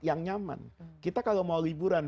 yang nyaman kita kalau mau liburan